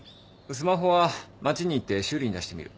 スマホは街に行って修理に出してみる。